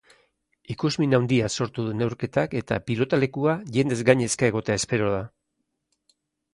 Ikusmin handia sortu du neurketak eta pilotalekua jendez gainezka egotea espero da.